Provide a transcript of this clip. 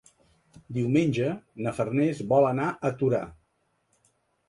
Diumenge na Farners vol anar a Torà.